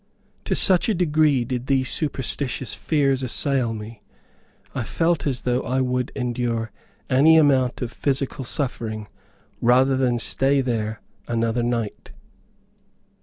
To such a degree did these superstitious fears assail me, I felt as though I would endure any amount of physical suffering rather than stay there another night.